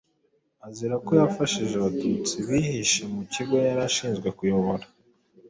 azira ko yafashije abatutsi bihishe mu kigo yari ashinzwe kuyobora